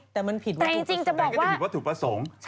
แต่มันผิดว่าถูกผสมแต่ก็จะผิดว่าถูกผสม